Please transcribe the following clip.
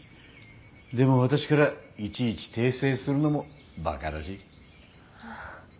でも私からいちいち訂正するのもバカらしい。